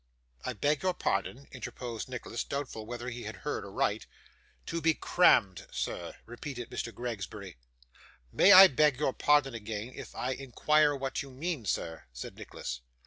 'I beg your pardon,' interposed Nicholas, doubtful whether he had heard aright. ' To be crammed, sir,' repeated Mr. Gregsbury. 'May I beg your pardon again, if I inquire what you mean, sir?' said Nicholas.